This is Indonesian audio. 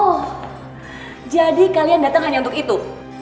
oh jadi kalian datang hanya untuk itu